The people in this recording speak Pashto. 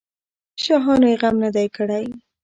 شاهانو یې غم نه دی کړی.